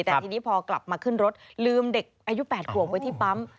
แต่ทีนี้พอกลับมาขึ้นรถลืมเด็กอายุ๘ขวบไว้ที่ปั๊ม